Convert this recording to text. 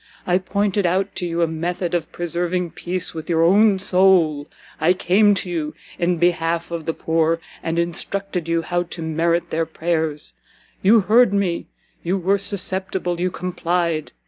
I pointed out to you a method of preserving peace with your own soul; I came to you in behalf of the poor, and instructed you how to merit their prayers; you heard me, you were susceptible, you complied!